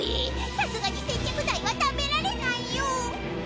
さすがに接着剤は食べられないよ。